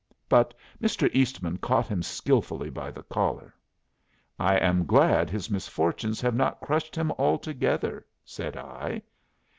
But Mr. Eastman caught him skilfully by the collar. "I am glad his misfortunes have not crushed him altogether," said I.